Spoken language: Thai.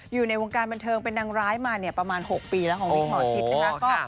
อยู่ในวงการบันเทิงเป็นนางร้ายมาเนี่ยประมาณ๖ปีแล้วของวิกหมอชิดนะคะ